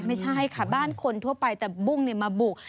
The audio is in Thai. ไม่ใช่ค่ะบ้านคนทั่วไปแต่บุ้งมาบุก